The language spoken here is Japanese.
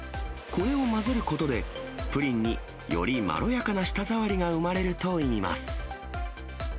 これを混ぜることで、プリンによりまろやかな舌触りが生まれるといいます。